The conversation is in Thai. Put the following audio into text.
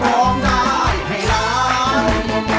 ร้องได้ให้ล้าน